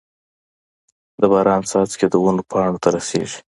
د باران څاڅکي د ونو پاڼو ته رسيږي.